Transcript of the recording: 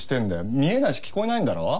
見えないし聞こえないんだろ？